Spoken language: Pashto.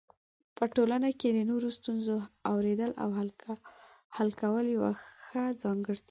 په ټولنه کې د نورو ستونزو اورېدل او حل کول یو ښه ځانګړتیا ده.